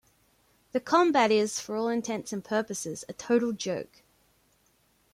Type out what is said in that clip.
The combat is, for all intents and purposes, a total joke.